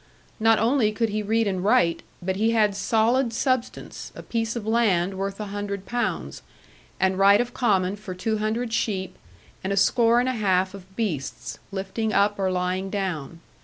Not only could he read and write, but he had solid substance; a piece of land worth a hundred pounds, and right of common for two hundred sheep, and a score and a half of beasts, lifting up or lying down.